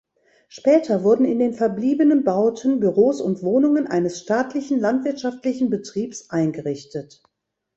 Später wurden in den verbliebenen Bauten Büros und Wohnungen eines Staatlichen Landwirtschaftlichen Betriebs eingerichtet.